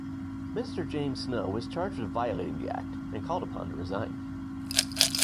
Minister James Snow was charged with violating the act, and called upon to resign.